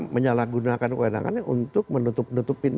menyalahgunakan kewenangannya untuk menutupi kekuasaan